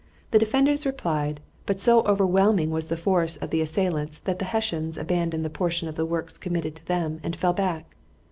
The defenders replied, but so overwhelming was the force of the assailants that the Hessians abandoned the portion of the works committed to them and fell back.